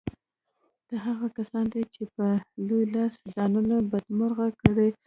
دا هغه کسان دي چې په لوی لاس یې ځانونه بدمرغه کړي